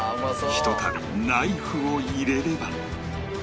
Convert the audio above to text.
ひとたびナイフを入れれば